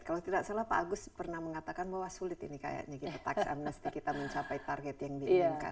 kalau tidak salah pak agus pernah mengatakan bahwa sulit ini kayaknya kita tax amnesty kita mencapai target yang diinginkan